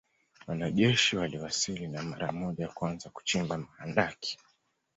Wanajeshi waliwasili na mara moja kuanza kuchimba mahandaki